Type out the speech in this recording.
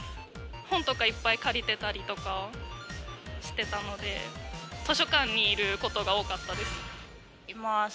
本とかいっぱい借りてたりとかしてたので、図書館にいることが多います。